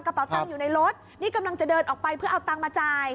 เป๋ตังค์อยู่ในรถนี่กำลังจะเดินออกไปเพื่อเอาตังค์มาจ่าย